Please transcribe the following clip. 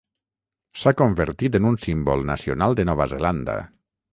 S'ha convertit en un símbol nacional de Nova Zelanda.